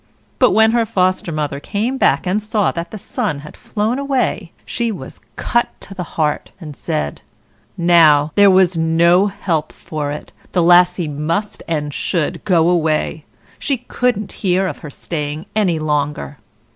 But when her Foster mother came back and saw that the sun had flown away, she was cut to the heart, and said, "Now, there was no help for it, the Lassie must and should go away; she couldn't hear of her staying any longer."